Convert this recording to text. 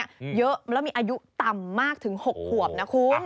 เยอะแล้วมีอายุต่ำมากถึง๖ขวบนะคุณ